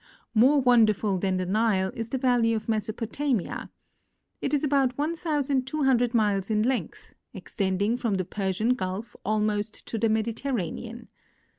More wonderful than the Nile is the valley of Mesopotamia. It is about 1,200 miles in length, extending from the Persian gulf almost to the Mediterranean.